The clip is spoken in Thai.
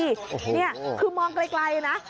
โอ้โหคือมองไกลนะ